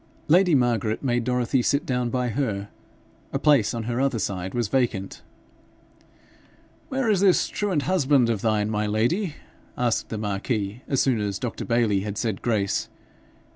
Lady Margaret made Dorothy sit down by her. A place on her other side was vacant. 'Where is this truant husband of thine, my lady?' asked the marquis, as soon as Dr. Bayly had said grace.